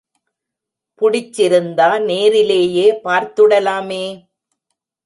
புடிச்சிருந்தா நேரிலேயே பார்த்துடலாமே?